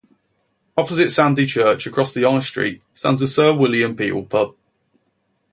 Opposite Sandy church across the High Street stands the Sir William Peel pub.